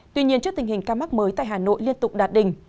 tuy nhiên trước tình hình ca mắc mới tại hà nội liên tục đạt đỉnh